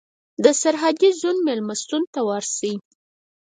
د سرحدي زون مېلمستون ته ورشئ.